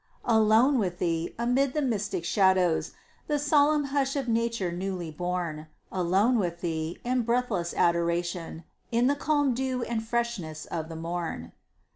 Alone with Thee, amid the mystic shadows, The solemn hush of nature newly born; Alone with Thee in breathless adoration, In the calm dew and freshness of the morn.